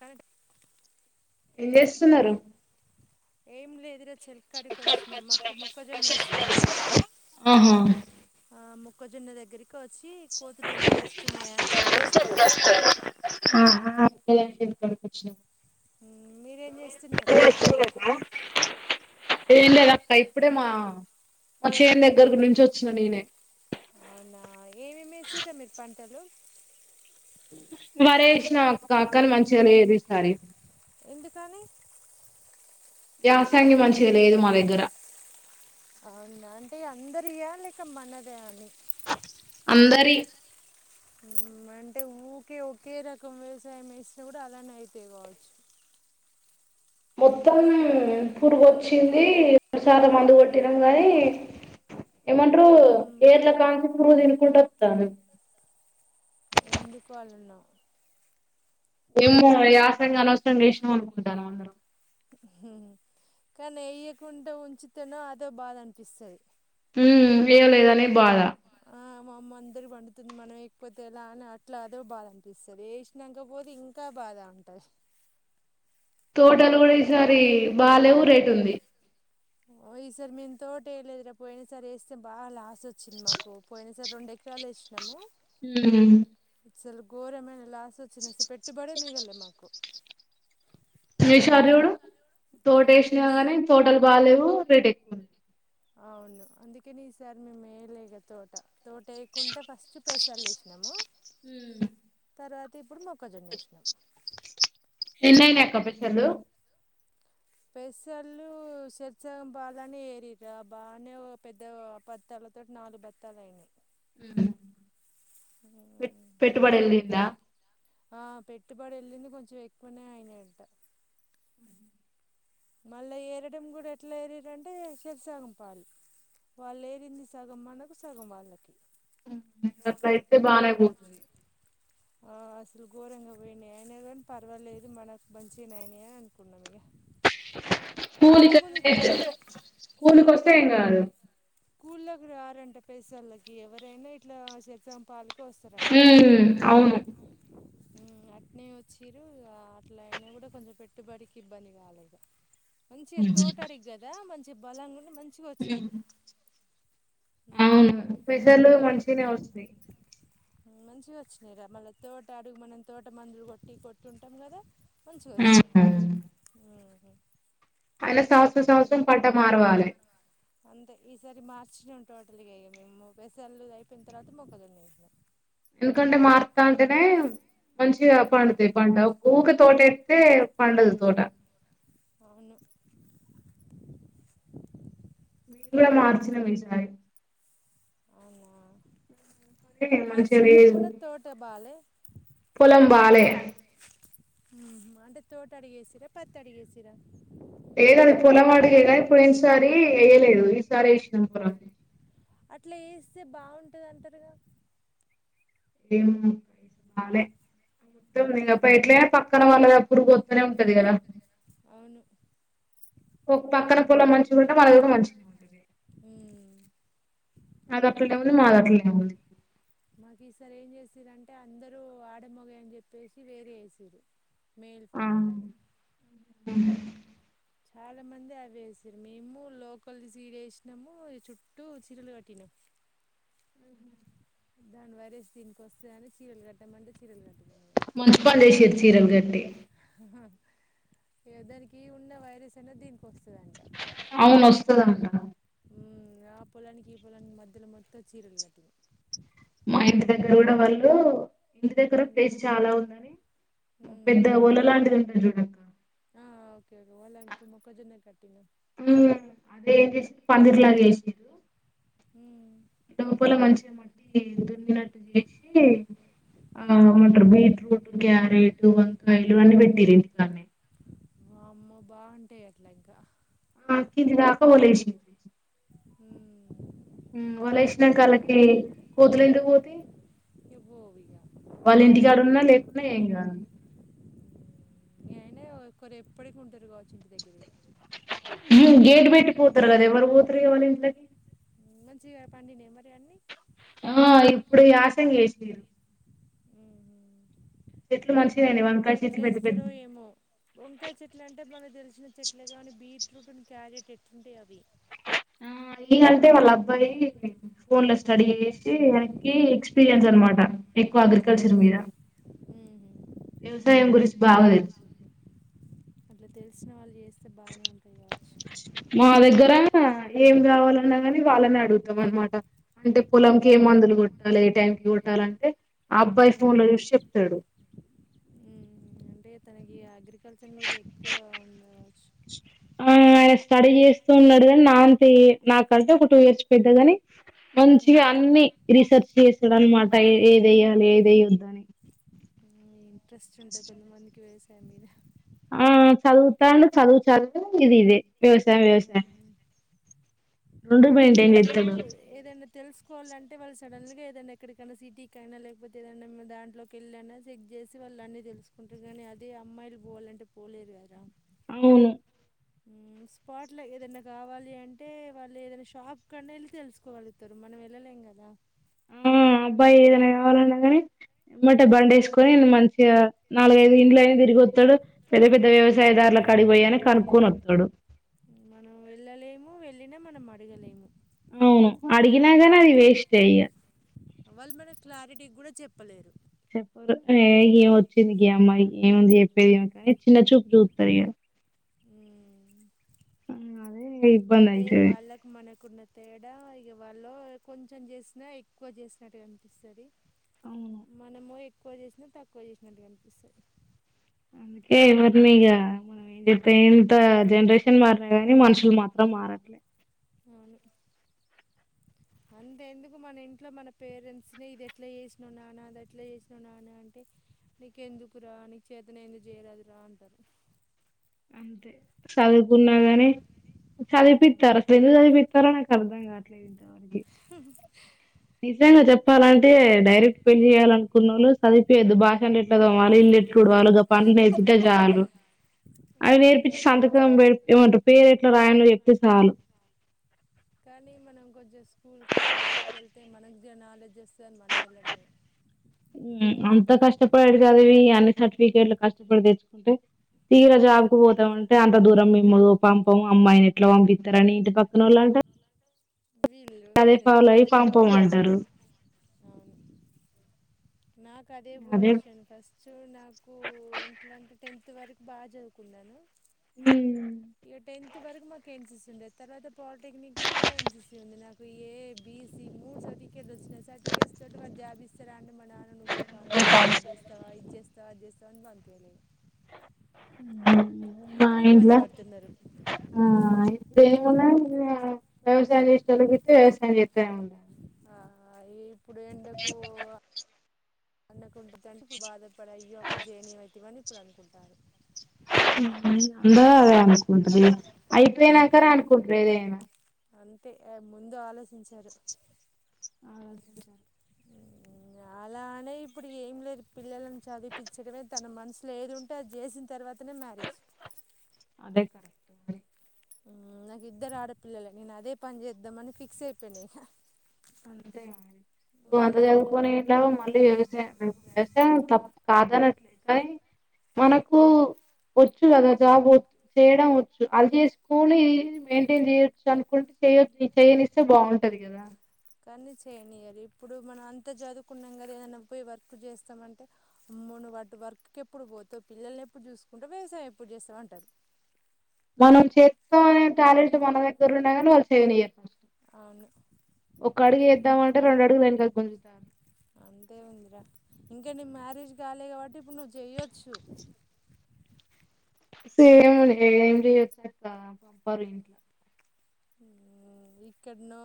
కానీ ఎండేస్తున్నారు ఏయిం లే ఎదురు వేసినాము ఆహా ఒకజొన్న దగ్గకి వచ్చి కోతులు ఏమన్నా వోస్తున్నాయా అని చెక్ చేస్తున్నా [unintelligible] వొచ్చినమ్ హూ మీరేం చేస్తున్నారా ఏం లేదక్క ఇప్పుడే మా మా చేన్ దగ్గరీ నుంచి వోచ్చిన నేనే అవునా ఏం ఎం ఎసినర్ర మీరు పంటలు వరే ఏసినం అక్క కాని మంచిగా లేదు ఈసారి ఎందుకని యాసంగి మంచిగా లేదు మ దగ్గర అవునా అంటే అందరియా లేక మనదే అని అందరియి అంటే ఊకే ఒకే రకం వ్యవసాయం వేస్తే కూడా అలానే అయితయి కావచ్చు. మొత్తం కట్ పురుగు వోచ్చింది డుసదాం మందు కోట్టి టిన గనీ ఏమంట్రు ఏర్ల కాన్సి పురుగు తిన్ ఎప్పుడత్తన్నవ్ ఎందుకు అళ్లన్నా ఎమ్మో యాసంగి అనవసరంగా ఏసినాం అనుకుంటానం అందరం కానీ ఏయ్యకుండా ఉంచుతేనో అదో బాధ అనిపిస్తది హ్ ఏయలేదనీ బాధ ఆ మా అమ్మ అందరి వండుతుంది. మనం ఎయాక పోతే ఎలా అని అట్లా అదో బాధ అనిపిస్తుంది. ఏసినంక పోతే ఇంకా బాధ ఉంటది. తోటలు కూడా ఈసారి బాలేవు రేట్ ఉంది ఓయి ఇసారీ మేం తోట ఏయాలే పోయిన సారీ వేస్తే బాగా లాస్ వోచ్చింది మాకు పోయిన సారీ రెండు ఎకరాలు ఏసినాము హ్ అసలు ఘోరమైన లాస్ వోచ్చింది. అసలు పెట్టుబడే మిగల్లే మాకు [unintelligible] తోట ఈ ఏసినా గానీ తోటలు బాలేవు రేటెక్కువ ఉంది అవును అందుకని ఈసారి మేం ఏయలే ఇగ తోట తోట వేయాకుంటే ఫస్ట్ పేసళ్ళు ఏసినాము హు తర్వాత ఇప్పుడు మొ ఎన్న అయినాయి ఆక్క పెద్ద హలో పెసళ్ళు సర్సగం బాలనే ఏరారు ఆ బాగానే పెద్ద బత్తాల తోటి నాలుగు బత్తాలు అయినాయి అమ్ పెట్ పెట్టుబడలంద ఆ పెట్టుబడి వెళ్ళింది కొంచెం ఎక్కువనే అయినాయంట మళ్ళా ఏరడం కూడా ఎట్లా ఏరిరంటే చెరు సగం పాలు వాళ్ళు ఏరింది సగం మనకు సగం వాళ్ళకి ట్ అయితే బాగానేయిపోతుంది ఆ అసలు ఘోరంగా పోయినాయి అయిన కూడ పర్వాలేదు మనకు మంచిగనే అయినాయ్ అనుకున్నా ఇక పూలు అంతకుముందు కోస్తే [unintelligible] పూలు కోస్తే ఏం కాదు స్కూల్లోకి రారంట [unintelligible] వాళ్ళకి ఎవరైనా ఇట్లా [unintelligible] కోస్తరంట ఉమ్ అవును అట్నే వచ్చిర్రు ఆ అట్లయినా కూడా కొంచెం పెట్టుబడికి ఇబ్బంది కాలేదు మంచిగ తోటారి గదా మంచి సి బలంగ మంచిగా వచ్చింది ఉమ్, అవును ప్పేసర్లు మంచిగనే వస్తాయ్ మంచిగ వచ్చినయిరా మళ్ళ తోట అడుగు మనం తోట మందులు కొట్టి కొట్టి ఉంటాం కదా మంచిగా వచ్చినయ్ హ్మ్ అలా సంవత్సరం సంవత్సరం పంట మారవాలే అంతే ఈసారి మార్చ్లనే తోటలిగా మేము పెసర్లు అయిపోయిన తర్వాత మొక్కజొన్న ఎషినం ఎందుకంటే మారుతాంటేనే మంచిగా ఉమ్. పండుతది పంట ఊకె తోటే ఏ పండదు తోట అవును మేమే ఉమ్, ఇంకే మార్చినం ఈ సారి కానీ మంచిగా మార్చినంక లేదు కూడా తోట బాలే పొలం బాలే అంటే తోట అడిగేసిరా పత్తి అడిగేసిరా లేదు అది పొలం అడిగిరే పోయిన సారీ ఎయలేదు ఈసారి ఏసినం పొలం అట్ల ఏస్తే బాగుంటది అంటరుగా [unintelligible] మొత్తం ఇగ అప్పుడు అవునా ఎట్లైనా పక్కన వాళ్ళది పురుగు ఒత్తనే ఉంటది కదా అవును పక్కన పుల మంచిగా ఉంటే మన దగ్గర మంచిగా ఉంటది అమ్ అది అట్లో ఉంది మాది అట్లేనే ఉంది అ మాకు ఈసారి ఏం చేసిరంటే అందరూ ఆడ మగ అని చెప్పేసి వేరే చేసిరు మేల్ ఆ ఫీమేల్ అని ఉమ్ చాలా మంది అవి వేసారు మేము లోకలి సీడ వేసినాము చుట్టూ చీరలు కట్టినాము దాని వరేసి దీనికి వస్తే కాని చీరలు కట్టామంటే చీరలు కట్టినా మున్సిపాండేశరి చీరల్ గట్టి దానికి ఉన్న వైరస్ అనేది దీనికి వస్తుందంట అవును వస్తుందంట ఆ పొలానికి ఈ పొలానికి మధ్యలో మొత్తం చీరలు కట్టినాం మా ఇంటి దగ్గర కూడా వాళ్ళు ఇంటి దగ్గర ప్లేస్ ఉమ్ చాలా ఉందని ఉమ్ పెద్ద ఒల లాంటిది ఉంటంది చూడకు ఆ ఓకే ఓకే వల్ళ ఇప్పుపు మొక్కజొన్న కట్టిన అదే ఏం చేసింది పందిర్లాగ చేసారు హమ్ లోపల మంచి మట్టి దున్ననట్టు చేసి ఆ ఉమ్ అమంటారు బీట్రూట్ క్యారెట్ వంకాయలు అన్నీ పెట్టిరు ఇంటికాన్న అమ్మ బాగుంటాయి అట్లా ఇంకా ఆ కది రా అక్క బోలాసి హమ్ వాళ్ళు వేసినా కాళ్ళకి కోతులు ఎందుకు పోతి ఇగ పోవిగ వాళ్ళ ఇంటికాడున్నా లేకున్నా ఏం కాను ఇం అయినా ఒకరు ఎప్పటికి ఉంటారు కాచ్చ ఇంటి దగ్గర ఇక ఇవం గేట్ బేటికి పోతారు అద ఎవరు పోతు ఎవళంద దగి మంచిగా పండినియ మరి అన్నీ ఆ ఇప్పుడు యాసం చేసిరు ఉమ్ సో మంచిగయినయి బీట్రూట్ వంకాయ చెట్లు ఎట్లా పెద్ద పెద్ద ఇస్తారో ఏమో వంకాయ చెట్ల అంటే మన తెలుసు చ్చిన చెట్లు గానీ బీట్రూట్ అని క్యారెట్ ఎట్లుంటాయి అవి ఆ ఏకంటే వాళ్ళ అబ్బాయి ఫోన్ లో స్టడీ చేసి వానకి ఎక్స్పీరియన్స్ అనమాట ఎక్కువ ఆ అగ్రికల్చర్ మీద ఉహు వ్యవసాయం గురించి బాగా తెలుసుంది అట్లా తెలిసిన వాళ్ళు చేస్త మా దగ్గర ఏం కావాలి న్నా ని వాళ్ళని అడుగుతాం అనమాట అంటే పొలంకి ఉమ్ ఏ మందులు కొట్టాలి ఏ టైంకి కొట్టాలంటే ఆ అబ్బాయి ఫోన్ ఉమ్ లో చూసి చెప్తాడు ఉమ్ అంటే తనకి అగ్రికల్చర్ మీద ఎక్కువ ఉండవచ్చు ఆ ఆయన స్టడీ చేస్తూ ఉన్నాడు కాని నా అంత నాకలితే ఒక టూ ఇయర్స్ పెద్దగాని మంచిగా అన్ని రీసెర్చ్ చేసాడు అన్నమాట ఏదయ లేదే యుద్దాన్ని ఇ ఇంట్రెస్ట్ ఉంటది కొంతమందికి వ్యవసా యం మీదా ఆ చదువుతాండు చదువు, చదువు ఇది ఇదే. వ్యవసాయం, వ్యవసాయం. రొండు అట్లా మొయింటన్ వాళ్ళు చెతున్నరు. ఏదైనా తెలుసుకోవాలంటే వాళ్ళు సడన్గా ఏదైనా ఎక్కడికైనా సిటీకైనా లేకపోతే ఏదైనా దాంట్లోకి వెళ్ళన్నా చెక్ చేసి వాళ్ళు అన్నీ తెలుసుకుంటారు కానీ అదే అమ్మాయిలు పోవాలంటే పోలేరు కదా. అవును స్పాట్లో ఏదైనా కావాలి అంటే వాళ్ళు ఏదైనా షాప్ కన్నా వెళ్ళి తెలుసుకోగలుగుతరు మనం వెళ్ళలేం కదా. ఆ ఏదైనా కావాలన్నా కానీ ఎమ్మట్టే బండి వేసుకొని మంచిగా నాలుగైదు ఇంట్లయినా తిరిగి అత్తడు పెద్ద పెద్ద వ్యవసాయదారుల కాడికి పోయిఅయిన కనుక్కొని వస్తడు. మనం వెళ్ళలేము వెళ్ళినా మనం అడుగలేము. అవును అడిగినా కానీ అది వేస్ట్ యే ఇగా వాళ్ళు మనకు క్లారిటీ కూడా చెప్పలేరు. చెప్పరు ఏ ఈమె వచ్చింది గీ అమ్మాయికి ఏముంది చెప్పేది ఏ కానీ చిన్న చూపు చూస్తరు ఇగా ఉ అదే ఇబ్బంది అదే అయితది వాళ్ళకు మనకున్న తేడా ఇగ వాళ్ళు కొంచెం చేసినా ఎక్కువ చేసినట్టుగా కనిపిస్తది. అవును మనం ఎ క్కువ చేసినా తక్కువ చేసినట్టు కనిపిస్తది. అందుకే ఎవరిని ఇగ మనం ఏం చెప్తే ఇంత జనరేషన్ మారిన గాని మనుషులు మాత్రం మారట్లేదు. అవును అంతే ఎందుకు మన ఇంట్లో మన పేరెంట్స్ని ఇది ఎట్లా చేసినవు నాన్న అది ఎట్లా చేసినవు నాన్న అంటే నీకెందుకు రా నీకు చేతనయింది చేయరాదు రా అంటరు. అంతే చదువుకున్నాగాని ఉమ్, ఆ, చదిపిత్తారు అసలు ఎందు చదిపిత్తారో నాకు అర్థం కావట్లేదు. నిజంగా చెప్ప లంటే డైరెక్ట్ పెళ్లి చేయాలనుకున్నోళ్ళు చదువుపియద్దు బాసన్లు ఎట్లతోమాలి, ఇల్లుఎట్ల ఉడవాలో గా పనులు నేర్పిత్తే చాలు. అవి నేర్పించి నిజం కదా సంతకం పె ఏమంటరు పేరు ఎట్లా రాయలో చెప్తే చాలు. స్కూల్, కాలేజ్కి వెళ్తే మనకు జర నాలెడ్జ్ వస్తదిని మనం వెళ్ళడమే. హ్ అంత కష్టపడి చదివి అన్ని సర్టిఫికెట్లు కష్టపడి తెచ్చుకుంటే తీర జాబ్కు పోతామంటే అంత దూరం మేము పంపము అమ్మాయిని ఎట్లా పంపిస్తారని ఇంటి పక్కనోళ్ళు అంటరు, వీళ్ళు అదే పేరెంట్స్ పాలో అయి అంటారు పంపం అంటరు. అవును నాకు అదే పొజిషన్ ఫస్ట్ నాకు ఎట్ల అంటే టెన్త్ ఇంత వరకు బాచదువుకున్నాను. ఉమ్, ఇగ టెన్త్ కొతి వరకు మాకు ఎంసిస్తుండే తర్వాత పాలిటెక్నిక్ లో కూడా ఎంన్స్తు ంది నాకు ఏ బిసి మూడు సర్టిఫికెట్లు వచ్చినాయి సర్టిఫికేట్స్ తోటి వ జాబిస్తార అంట మా నాన్న నువ్్వే కానిస్టేబుల్ స్తావా ఇచ్చేస్త రాజస్థాన్ బాధేలే ఇప్పుడు ఇబ్బంది ఇంట్లో పడుతున్నారు ఆ ఇ ఏ [unintelligible] ఆ అ ఇప్పుడు ఎండకు అంన కుంట ఇ అే ఇప్పు బాధపడయో అప్పుడు జేన్ ఏ అతేవ అని ఇడు అ కుడార్ అందా అదే అనుకుంటారు అయిపోయినాకని అనుకుంటారు ఏదేనా అంతే ముందు ఆలోచించారు ఆ రచించాల అలానే ఇప్పుడు ఏం లేదు పిల్లలను చదివిపించడమే తన మనసులో ఏదు ఉంటే అది చేసిన తర్వాతనే మ్యారేజ్ అదే కరెక్ట్ మరి నాకు ఇద్దరు ఆడపిల్లలే నేను అదే పని చేద్దామని ఫిక్స్ అయిపోయిను ఇక అంతే అడి నువ్వు అంత చదువుకునిలావు మళ్ళీ వ్యవసాయం వ్యవసాయం తప్పు కాద అనట్లేదు కానీ మనకు వచ్చు కదా జాబ్ చేయడం వచ్చు అలా చేసుకొని మెయింటైన్ చేయొచ్చు అనుకుంటే చేయద్ చేయనిస్తే బాగుంటది కదా కానీ చేయనీయాల ఇప్పుడు మనం అంత చదువుకున్నాం కదా ఏదన్నా పోయి వర్క్ చేస్తామంటే అమ్మును వాటి వర్క్కి ఎప్పుడు పోత పిల్లల్ని ఎప్పుడు చూసుకుంటూ వ్యవసాయం ఎప్పుడు చేస్తామ అంటారు మనం చేస్తాం అనే టాలెంట్ మన దగ్గర ఉన్నాగాని వాళ్ళు చేయనియరు అవును ఒ అడుగు వద్దామంటే రెండు అడుగులు వెనకకు గుంజుతున్నారు అంతే ఉందిరా ఇంకా నీవు మ్యారేజ్ కాలే కాబట్టి ఇప్పుడు నువ్వు చేయ్యొచ్చు సేమ్ ఏమి చేయొచ్చ అక్క పంపారు ఇంట్లో ఇక్కడనో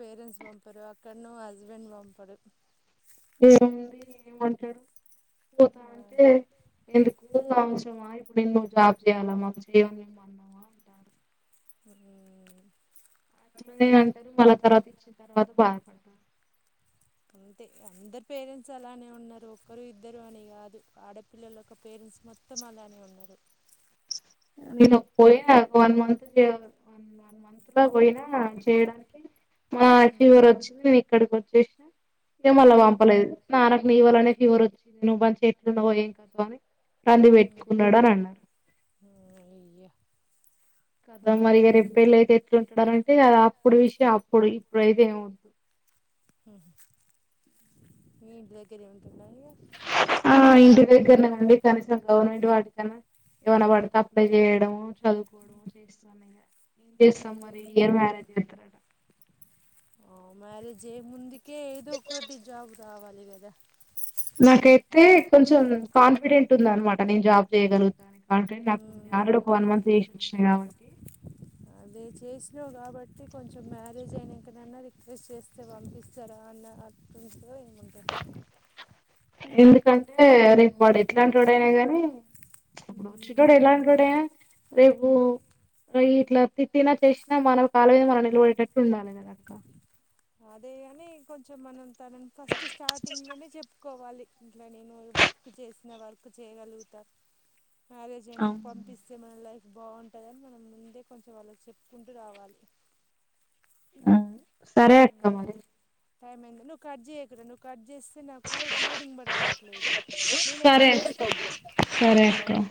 పేరెంట్స్ పంపరు అక్కడనో హస్బెండ్ పంపరు ఏముంది ఏమమంటాడు ఆ పోతాంటే ఎందుకు అవసరం ఆ ఎప్పుడూ ఇప్పున్న నువ్వు జాబ్ చేయాల మాకు చేయ అన్నావా అంటారు అ ఉండఏ అంటారు తర్వాత ఇచ్చిన తర్వాత బాధపడతారు అంతే అందరు పేరెంట్స్ అలానే ఉన్నారు ఒరు ఇద్దరు అని కాదు ఆడపిల్లలు ఒక పేరెంట్స్ మొత్తం అలానే ఉన్నారు నేను పోయి వన్ మంత్న్ వన్ మంత్ లా పోయినా చేయడానికి ఆ ఉమ్ ఫీవర్ వచ్చిందిే ఇక్కడికి వచ్చే [unintelligible] ఏం మళలా ఉమ్ పంపలేదు నానకు నీవ్వలనే ఫలివర్ వచ్చింది నువ్వుంచి చెట్లున్నావవు ఏం కదువు అని రంది ఉమ్ పెట్టుకున్నాడు అని అన్నారు ఉమ్ అయ్యో కదమ్మరిగా రెపెళ్లు అయితే చంటాంటే అ అప్పుడు విషయం అప్పుడు ఇప్పుడుయితే ఏముదు న ఇంటి దగ్గరే ఉంటునవ మరి ఆ ఇంటి దగ్గర అండి కనీసం గవర్నమెంట్ వాటికన్నా ఏవనా పడతే అప్లై చేయడము చదువుకోవడం ఏం చేస్తాం మరి ఇగ ఇయర్ మ్యారేజ్ చేస్తారట ఆ మ్యారేజ్ ఏముంది ఇంకే ఏదో ఒకటి జాబ్ రావాలి అదే కదా నాకైతే కొంచెం కాన్ఫిడెంట్ ఉంద అనమాట నేను జాబ్ చేయ్యగలుగు దా కాట్ం నాకు ఆల్రెడీ ఒక వన్ మంత్ చేసిచ్చినాయి కాబట్టి రో కాబట్టి కొంచెం మ్యారేజ్ అయినాంకనైన్నా, రిక్వెస్ట్ చేస్తే పంపిస్తారా అన్న అర్థంతో ఏమ ఎందుక అంటే రేపు వాడు ఎట్లాంటి వాడైనా గానీ, ఇప్పుడు వచ్చినో ఎలాంటి వొడైనా రేప్ ఒ ఇట్లా తిట్టిన చేసినా మన కాల మీద మనం నిలవడేటట్టు ఉండాలి కదా అక్క అదే అని కొంచెం మనం ని ఫస్ట్ స్టార్టింగ్ లోనే చెప్పుకోవాలి ఇట్లా నేను వర్క్ చేసినా వర్క్ చేయగలుగుతా మ్యారేజ్ అయినంక అవును పంపిస్తే మన లైఫ్ బాగుంటుందని మనం ముందే కొంచెం వాళ్ళ చెప్పుకుంటూ రావాలి ఆ సరే అక్క మరి టైం ఏంది నువ్ కర్ చేయకు కూడా నువ్వు కట్ చే అే నాకు గ్రేడింగ్ రావట్లేదు నేనే సరే కట్ అక్క చేస్తా సరే అక్క అ